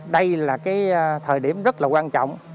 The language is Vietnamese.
đây là thời điểm rất là quan trọng